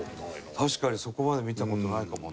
確かにそこまで見た事ないかもね。